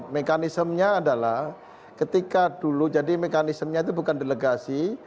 mekanismenya adalah ketika dulu jadi mekanismenya itu bukan delegasi